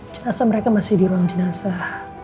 jenazah mereka masih di ruang jenazah